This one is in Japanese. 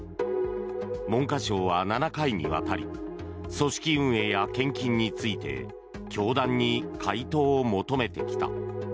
文科省は７回にわたり組織運営や献金について教団に回答を求めてきた。